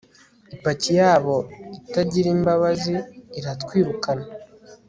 Ipaki yabo itagira imbabazi iratwirukana